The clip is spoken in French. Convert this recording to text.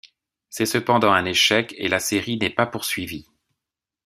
C'est cependant un échec et la série n'est pas poursuivie.